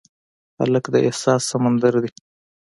هلک د احساس سمندر دی.